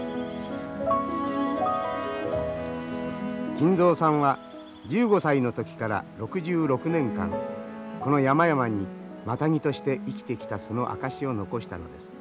金蔵さんは１５歳の時から６６年間この山々にマタギとして生きてきたその証しを残したのです。